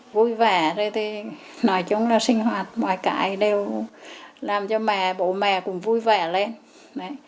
vui vẻ thì nói chung là sinh hoạt ngoài cãi đều làm cho mẹ bố mẹ cũng vui vẻ lên